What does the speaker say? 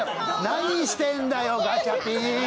何してんだよ、ガチャピン。